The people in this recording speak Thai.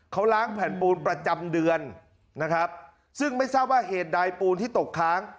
เขาล้างแผ่นปูนประจำเดือนนะครับซึ่งไม่ทราบว่าเหตุใดปูนที่ตกค้าง